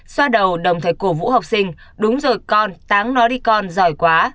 xoa đầu đồng thời cổ vũ học sinh đúng rồi con táng nó đi con giỏi quá